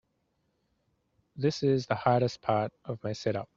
This is the hardest part of my setup.